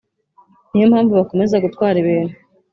Ni yo mpamvu bakomeza gutwara ibintu